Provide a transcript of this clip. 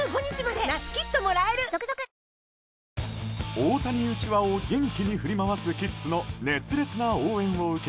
大谷うちわを元気に振り回すキッズの熱烈な応援を受け